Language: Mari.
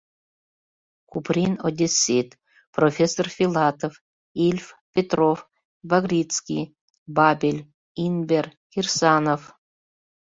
Куприн одессит, профессор Филатов, Ильф, Петров, Багрицкий, Бабель, Инбер, Кирсанов...